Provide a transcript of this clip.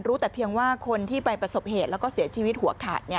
แต่เพียงว่าคนที่ไปประสบเหตุแล้วก็เสียชีวิตหัวขาด